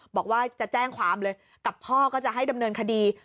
บอกว่าจะแจ้งความเลยกับพ่อก็จะให้ดำเนินคดี